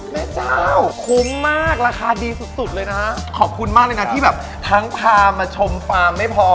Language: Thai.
เจ้าคุ้มมากราคาดีสุดสุดเลยนะฮะขอบคุณมากเลยนะที่แบบทั้งพามาชมฟาร์มไม่พอ